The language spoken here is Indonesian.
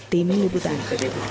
tim ibu tani